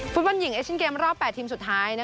ฟุตบอลหญิงเอเชียนเกมรอบ๘ทีมสุดท้าย